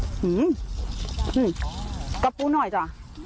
อื้อหื้อสอบปูหน่อยจ้ะ